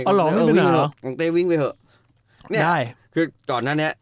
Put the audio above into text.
กองเต้วิ่งไปเถอะ